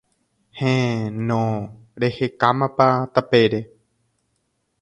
Héẽ, no. Rehekámapa tapére.